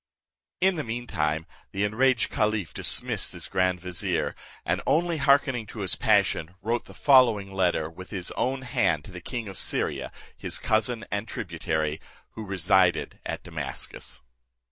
In the mean time, the enraged caliph dismissed his grand vizier, and only hearkening to his passion, wrote the following letter with his own hand to the king of Syria, his cousin and tributary, who resided at Damascus.